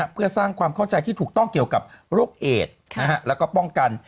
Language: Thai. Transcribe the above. เพื่อสร้างความเข้าใจที่ถูกต้องเกี่ยวกับโรคเอดแล้วก็ป้องกัน